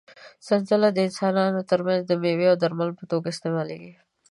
سنځله د انسانانو تر منځ د مېوې او درمل په توګه استعمالېږي.